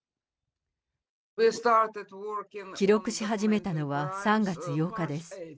記録し始めたのは３月８日です。